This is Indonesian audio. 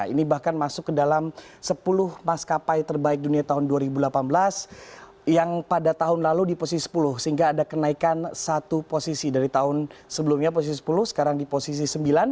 ini bahkan masuk ke dalam sepuluh maskapai terbaik dunia tahun dua ribu delapan belas yang pada tahun lalu di posisi sepuluh sehingga ada kenaikan satu posisi dari tahun sebelumnya posisi sepuluh sekarang di posisi sembilan